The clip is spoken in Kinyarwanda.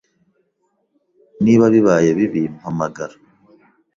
Niba bibaye bibi, mpamagara.